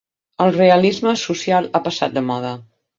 El realisme social ha passat de moda.